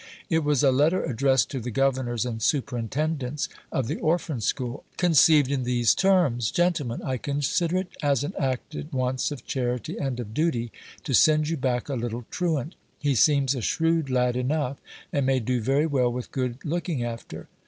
It was a letter addressed to the governors and superintendents of the orphan school, conceived in these terms :" Gentlemen, I consider it as an act at once of charity and of duty, to send you back a little truant ; he seems a shrewd lad enough, and may do very well with good looking after.